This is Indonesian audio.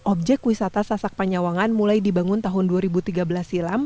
objek wisata sasak panyawangan mulai dibangun tahun dua ribu tiga belas silam